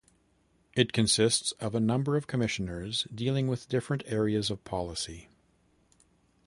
It consists of a number of Commissioners dealing with different areas of policy.